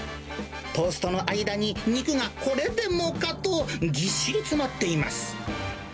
トーストの間に肉がこれでもかとぎっしり詰まっています。